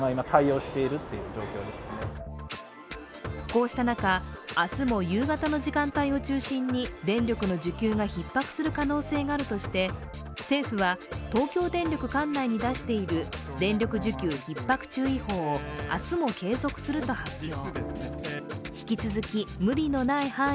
こうした中、明日も夕方の時間帯を中心に電力の需給がひっ迫する可能性があるとして政府は東京電力管内に出している電力需給ひっ迫注意報を明日も継続すると発表。